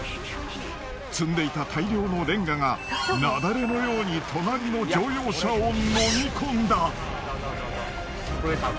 積んでいた大量のレンガが雪崩のように隣の乗用車を飲み込んだ！